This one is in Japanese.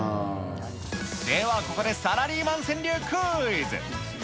ではここでサラリーマン川柳クイズ。